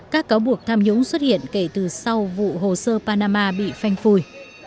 các cáo buộc tham nhũng xuất hiện kể từ sau vụ hồ sơ panama bị phanh phui